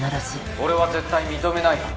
俺は絶対認めないから。